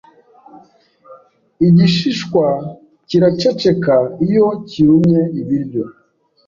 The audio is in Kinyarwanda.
Igishishwa kiraceceka iyo kirumye ibiryo